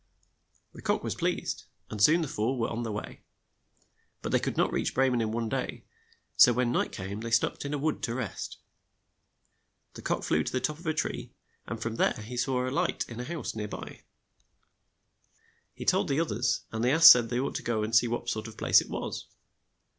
The cock was pleased, and soon the four were on the way. But they could not reach Bre men in one day, so when night THE FOUR musicians. came they stopped in a wood to rest. The cock flew to the top of a tree, and from there he saw a light in a house near by. 56 THE TOWN MUSICIANS OF BREMEN He told the oth ers, and the ass said they ought to go and see what sort of place it was.